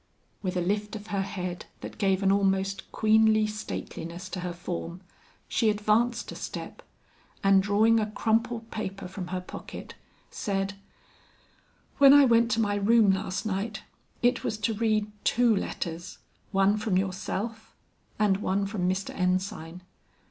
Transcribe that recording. With a lift of her head that gave an almost queenly stateliness to her form, she advanced a step, and drawing a crumpled paper from her pocket, said, "When I went to my room last night, it was to read two letters, one from yourself, and one from Mr. Ensign.